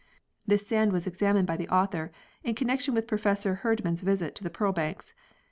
This sand was examined by the author in connection with Pro fessor Herdman's visit to the pearl banks.